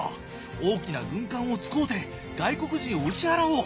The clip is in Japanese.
大きな軍艦を使おて外国人を打ち払おう。